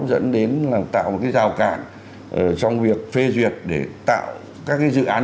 dẫn đến là tạo một cái rào cản trong việc phê duyệt để tạo các cái dự án